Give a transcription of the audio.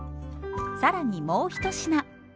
更にもう一品。